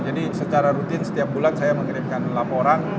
jadi secara rutin setiap bulan saya mengirimkan laporan